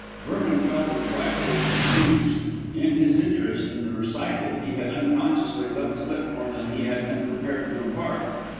Vernon felt a trifle confused. In his interest in the recital he had unconsciously let slip more than he had been prepared to impart.